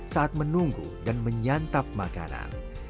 saat menunggu dan menyantap makanan